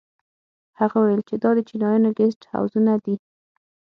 هغه وويل چې دا د چينايانو ګسټ هوزونه دي.